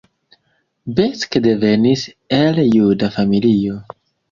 Beck devenis el juda familio.